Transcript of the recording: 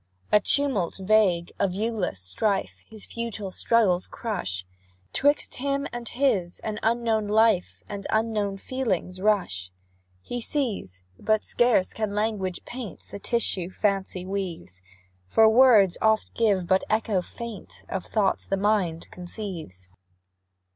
A tumult vague a viewless strife His futile struggles crush; 'Twixt him and his an unknown life And unknown feelings rush. He sees but scarce can language paint The tissue fancy weaves; For words oft give but echo faint Of thoughts the mind conceives.